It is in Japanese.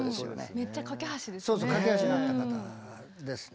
めっちゃ懸け橋ですね。